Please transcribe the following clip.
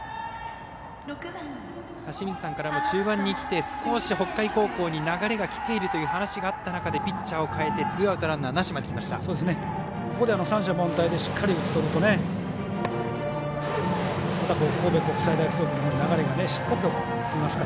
清水さんからも、中盤にきて少し北海高校に流れがきているという話があった中ピッチャーを代えてツーアウトランナーなしまできました。